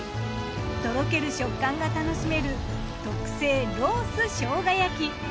とろける食感が楽しめる特製ロース生姜焼き。